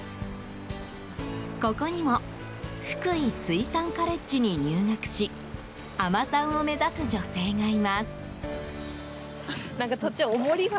ここにもふくい水産カレッジに入学し海女さんを目指す女性がいます。